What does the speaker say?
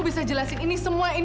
kita serang ogni aqua